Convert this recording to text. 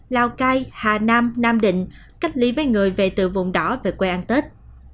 lào cai hà nam nam định cách ly với người về từ vùng đỏ về quê ăn tết